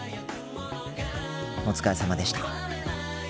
お疲れさまでした。